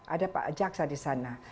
ada pak jaksa di sana